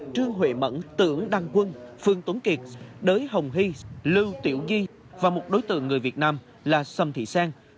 trương huệ mẫn tưởng đăng quân phương tuấn kiệt đới hồng hy lưu tiểu di và một đối tượng người việt nam là sâm thị sang